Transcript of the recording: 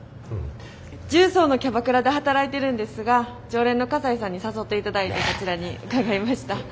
十三のキャバクラで働いてるんですが常連の西さんに誘って頂いてこちらに伺いました。